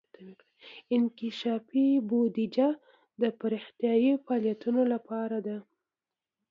انکشافي بودیجه د پراختیايي فعالیتونو لپاره ده.